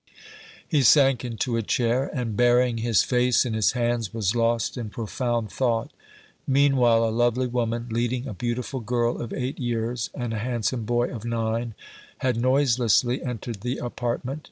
He sank into a chair, and, burying his face in his hands, was lost in profound thought. Meanwhile, a lovely woman, leading a beautiful girl of eight years and a handsome boy of nine, had noiselessly entered the apartment.